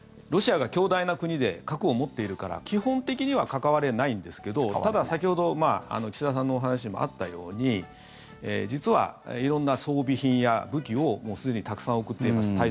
ロシアが強大な国で核を持っているから基本的には関われないんですけどただ、先ほど岸田さんのお話にもあったように実は色んな装備品や武器をすでにたくさん送っています。